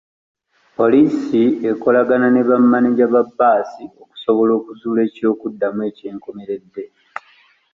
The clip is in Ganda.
Poliisi okolagana ne bamaneja ba bbaasi okusobola okuzuula eky'okuddamu eky'enkomeredde.